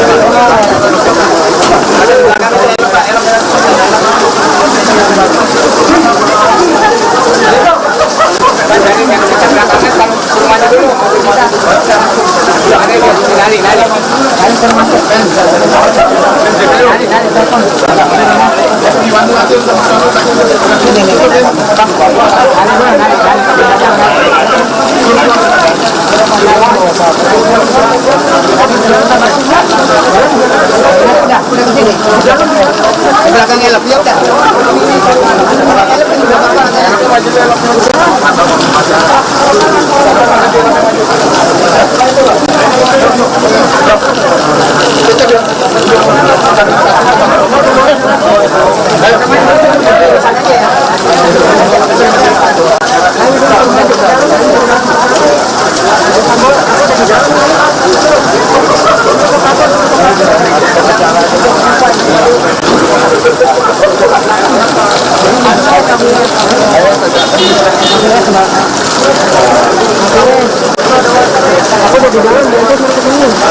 pertanyaan dari penasihat hukum ini kemudian melakukan pemeriksaan setempat dan sudah dikabulkan oleh majulis hakim